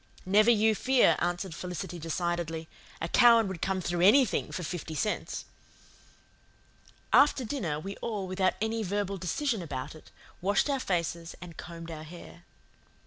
"Never you fear," answered Felicity decidedly. "A Cowan would come through ANYTHING for fifty cents." After dinner we all, without any verbal decision about it, washed our faces and combed our hair.